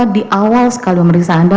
di awal sekali memeriksa anda